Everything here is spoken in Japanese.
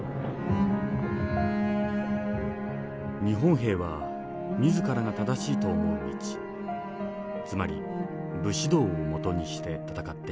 「日本兵は自らが正しいと思う道つまり武士道を基にして戦っていました。